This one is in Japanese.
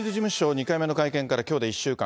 ２回目の会見からきょうで１週間。